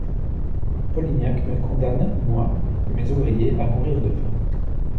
Polignac me condamne, moi et mes ouvriers, à mourir de faim!